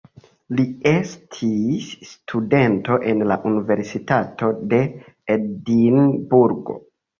Li estis studento en la universitato de Edinburgo.